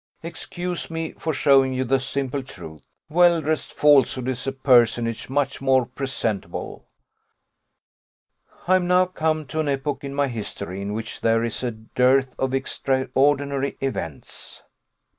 Excuse me for showing you the simple truth; well dressed falsehood is a personage much more presentable. I am now come to an epoch in my history in which there is a dearth of extraordinary events.